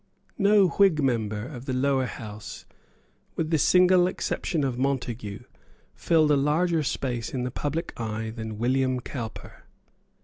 No Whig member of the lower House, with the single exception of Montague, filled a larger space in the public eye than William Cowper.